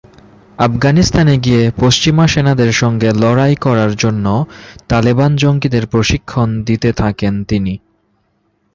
আফগানিস্তানে গিয়ে পশ্চিমা সেনাদের সঙ্গে লড়াই করার জন্য তালেবান জঙ্গিদের প্রশিক্ষণ দিতে থাকেন তিনি।